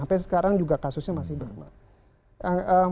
sampai sekarang juga kasusnya masih berubah